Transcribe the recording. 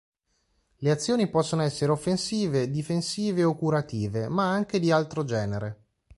Le azioni possono essere offensive, difensive o curative, ma anche di altro genere.